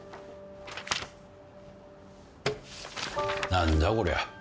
何だこりゃ？